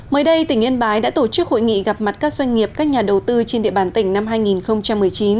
mới đây tỉnh yên bái đã tổ chức hội nghị gặp mặt các doanh nghiệp các nhà đầu tư trên địa bàn tỉnh năm hai nghìn một mươi chín